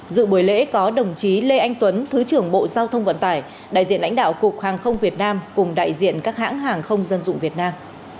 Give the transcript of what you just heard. dự buổi lễ có đồng chí lê anh tuấn thứ trưởng bộ giao thông vận tải đại diện lãnh đạo cục hàng không việt nam cùng đại diện các hãng hàng không dân dụng việt nam